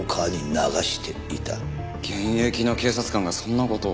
現役の警察官がそんな事を。